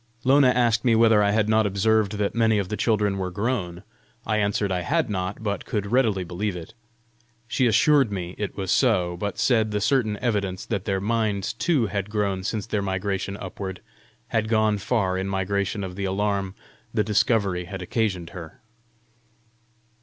Lona asked me whether I had not observed that many of the children were grown. I answered I had not, but could readily believe it. She assured me it was so, but said the certain evidence that their minds too had grown since their migration upward, had gone far in mitigation of the alarm the discovery had occasioned her.